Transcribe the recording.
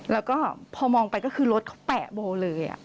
แล้วก็พอมองไปก็คือรถเขาแปะโบเลย